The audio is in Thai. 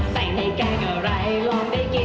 ใส่ในแกงอะไรลองได้ยิน